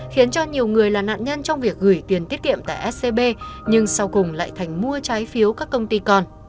khiến cho nhiều người là nạn nhân trong việc gửi tiền tiết kiệm tại scb nhưng sau cùng lại thành mua trái phiếu các công ty còn